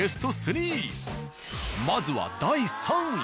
まずは第３位。